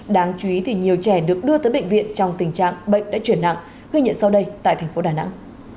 đáng chú ý thì nhiều trẻ được đưa tới bệnh viện trong tình trạng bệnh đã chuyển nặng ghi nhận sau đây tại thành phố đà nẵng